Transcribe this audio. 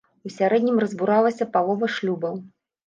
У сярэднім разбуралася палова шлюбаў.